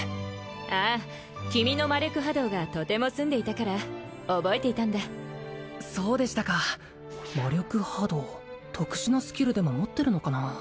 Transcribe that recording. ああ君の魔力波動がとても澄んでいたから覚えていたんだそうでしたか魔力波動特殊なスキルでも持ってるのかな？